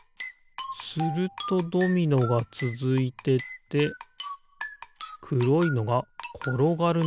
するとドミノがつづいてってくろいのがころがるのかな。